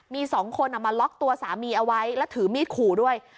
มีสองคนมาล็อกตัวสามีเอาไว้แล้วถือมีดขู่ด้วย